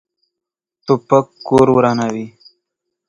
توپک کور ورانوي.